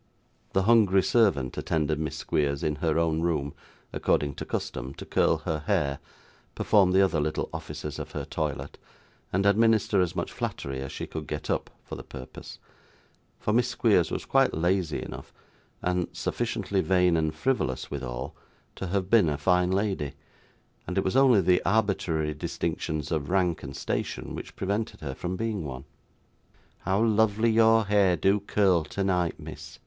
The hungry servant attended Miss Squeers in her own room according to custom, to curl her hair, perform the other little offices of her toilet, and administer as much flattery as she could get up, for the purpose; for Miss Squeers was quite lazy enough (and sufficiently vain and frivolous withal) to have been a fine lady; and it was only the arbitrary distinctions of rank and station which prevented her from being one. 'How lovely your hair do curl tonight, miss!